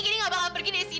gini gak bakal pergi dari sini